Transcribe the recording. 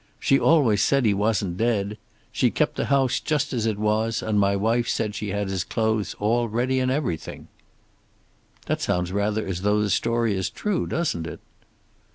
She's always said he wasn't dead. She kept the house just as it was, and my wife says she had his clothes all ready and everything." "That rather sounds as though the story is true, doesn't it?"